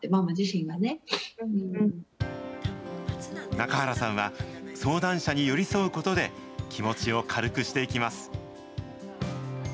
中原さんは、相談者に寄り添うことで、気持ちを軽くしていきます。